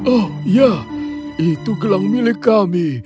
oh iya itu gelang milik kami